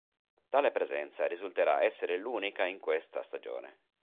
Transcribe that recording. Tale presenza risulterà essere l'unica in questa stagione.